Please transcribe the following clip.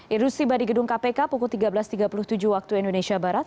idrus tiba di gedung kpk pukul tiga belas tiga puluh tujuh waktu indonesia barat